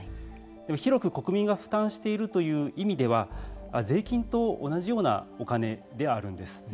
広く国民が負担しているという意味では税金と同じようなお金であるんです。